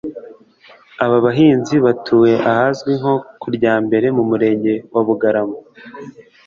Aba bahinzi batuye ahazwi nko Kuryambere mu Murenge wa Bugarama